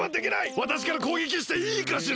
わたしからこうげきしていいかしら？